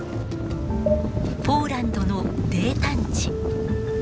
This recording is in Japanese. ポーランドの泥炭地